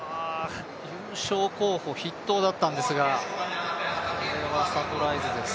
優勝候補筆頭だったんですが、これはサプライズです。